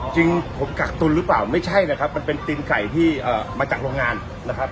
จริงผมกักตุลหรือเปล่าไม่ใช่นะครับมันเป็นตีนไก่ที่มาจากโรงงานนะครับ